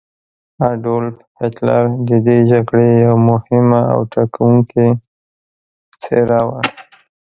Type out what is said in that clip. اډولف هیټلر د دې جګړې یوه مهمه او ټاکونکې څیره وه.